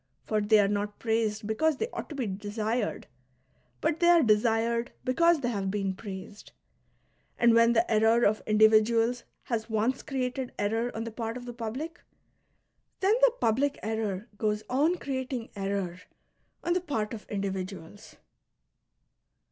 For they are not praised because they ought to be desired, but they are desired because they have been praised ; and when the error of individuals has once ci eated error on the part of the public, then the public error goes on creating error on the part of individuals.